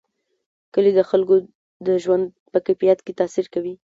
کلي د خلکو د ژوند په کیفیت تاثیر کوي.